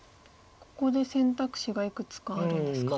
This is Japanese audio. ここで選択肢がいくつかあるんですか。